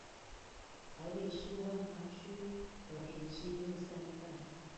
臺北市萬華區和平西路三段